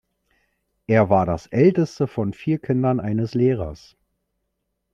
Er war das älteste von vier Kindern eines Lehrers.